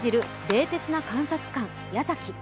冷徹な監察官、矢崎。